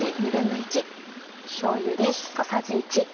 しょうゆです。